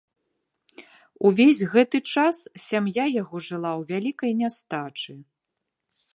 Увесь гэты час сям'я яго жыла ў вялікай нястачы.